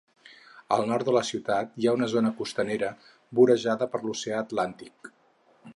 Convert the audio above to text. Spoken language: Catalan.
Al nord de la ciutat, hi ha una zona costanera vorejada per l'Oceà Atlàntic.